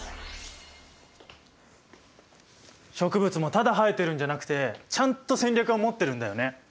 植物もただ生えてるんじゃなくてちゃんと戦略を持ってるんだよね。